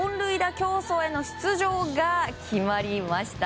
競争への出場が決まりました。